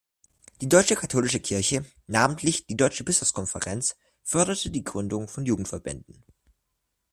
Die deutsche katholische Kirche, namentlich die Deutsche Bischofskonferenz, förderte die Gründung von Jugendverbänden.